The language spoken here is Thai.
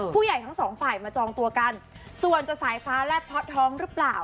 ผู้ใหญ่ทั้งสองฝ่ายมาจองตัวกันส่วนจะสายฟ้าแลบเพราะท้องหรือเปล่า